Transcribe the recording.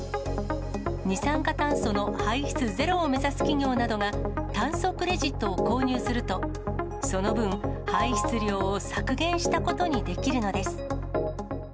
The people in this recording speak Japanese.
二酸化炭素の排出ゼロを目指す企業などが、炭素クレジットを購入すると、その分、排出量を削減したことにできるのです。